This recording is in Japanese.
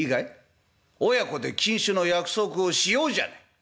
親子で禁酒の約束をしようじゃない」。